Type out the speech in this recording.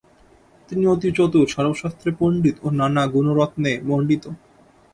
তিনি অতি চতুর সর্বশাস্ত্রে পণ্ডিত ও নানা গুণরত্নে মণ্ডিত।